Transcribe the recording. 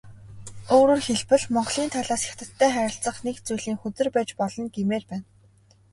Өөрөөр хэлбэл, Монголын талаас Хятадтай харилцах нэг зүйлийн хөзөр байж болно гэмээр байна.